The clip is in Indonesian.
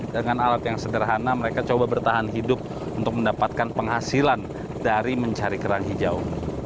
dengan alat yang sederhana mereka coba bertahan hidup untuk mendapatkan penghasilan dari mencari kerang hijau